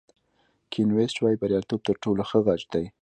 کین ویست وایي بریالیتوب تر ټولو ښه غچ دی.